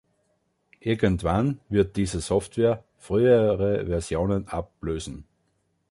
Irgendwann wird diese Software frühere Versionen ablösen.